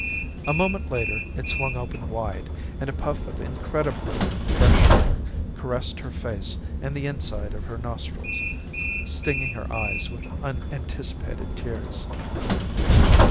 A moment later it swung open wide and a puff of incredibly fresh air caressed her face and the inside of her nostrils, stinging her eyes with unanticipated tears.